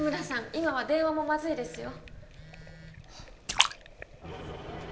今は電話もまずいですよ